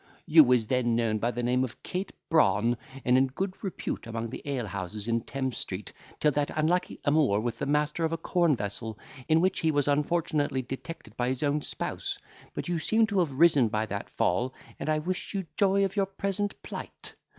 You was then known by the name of Kate Brawn, and in good repute among the ale houses in Thames Street, till that unlucky amour with the master of a corn vessel, in which he was unfortunately detected by his own spouse; but you seem to have risen by that fall; and I wish you joy of your present plight.